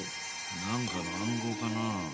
なんかの暗号かな？